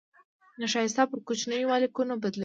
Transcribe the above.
نشایسته پر کوچنيو مالیکولونو بدلوي.